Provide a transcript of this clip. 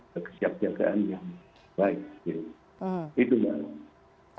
dan kekejagaan yang baik itu yang saya inginkan